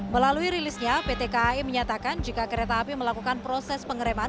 melalui rilisnya pt kai menyatakan jika kereta api melakukan proses pengereman